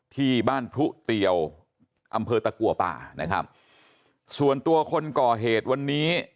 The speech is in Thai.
ที่บ้านพรุเตียวอำเภอตะกัวป่านะครับส่วนตัวคนก่อเหตุวันนี้